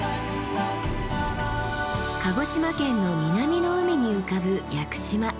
鹿児島県の南の海に浮かぶ屋久島。